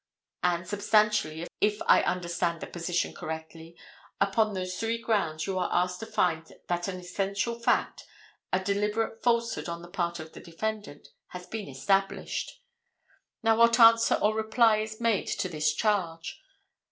And substantially, if I understand the position correctly, upon those three grounds you are asked to find that an essential fact, a deliberate falsehood on the part of the defendant, has been established. Now what answer or reply is made to this charge?